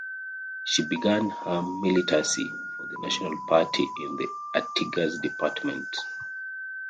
She began her militancy for the National Party in the Artigas Department.